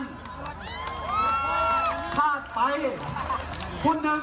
บอกว่าคุกค้า